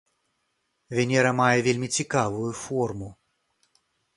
Венера мае вельмі цікавую форму.